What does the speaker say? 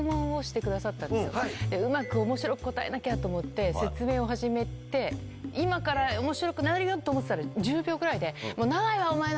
うまく面白く答えなきゃと思って説明を始めて今から面白くなるよ！と思ってたら。